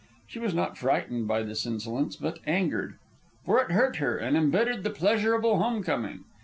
She was not frightened by this insolence, but angered; for it hurt her, and embittered the pleasurable home coming.